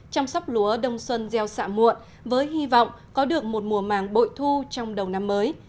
chăm sóc lúa đông xuân gieo xạ muộn với hy vọng có được một mùa màng bội thu trong đầu năm mới